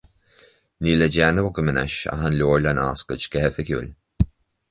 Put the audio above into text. Níl le déanamh agam anois ach an leabharlann a oscailt go hoifigiúil.